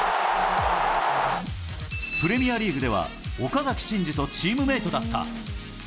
プレミアリーグでは、岡崎慎司とチームメートだった。